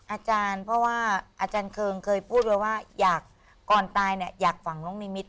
อาจารย์เพราะว่าอาจารย์เคืองเคยพูดไว้ว่าอยากก่อนตายเนี่ยอยากฝังน้องนิมิต